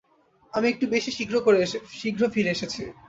আমি একটু বেশি শীঘ্র ফিরে এসেছি।